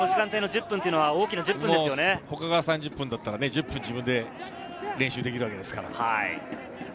他が３０分だったら、１０分自分で練習ができるわけですから。